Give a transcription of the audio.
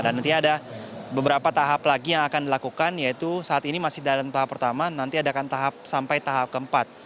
nanti ada beberapa tahap lagi yang akan dilakukan yaitu saat ini masih dalam tahap pertama nanti adakan tahap sampai tahap keempat